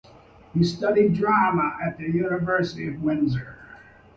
He studied drama at the University of Windsor.